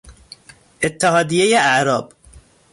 اتحادیهی اعراب